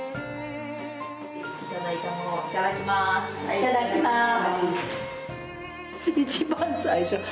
いただきます。